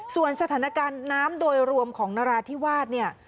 ส่วนสถานการณ์น้ำโดยรวมของนราธิวาสเนี่ย